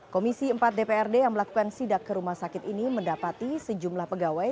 komisi empat dprd yang melakukan sidak ke rumah sakit ini mendapati sejumlah pegawai